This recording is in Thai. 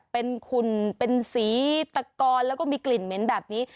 เป็นขุ่นเป็นสีตะกอนแล้วก็มีกลิ่นเหม็นแบบนี้